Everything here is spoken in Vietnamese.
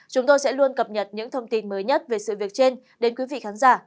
chúng tôi sẽ luôn cập nhật những thông tin mới nhất về sự việc trên đến quý vị khán giả